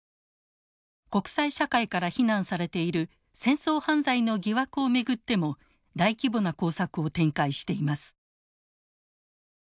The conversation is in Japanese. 国際社会から非難されている戦争犯罪の疑惑を巡っても大規模な工作を展開しています。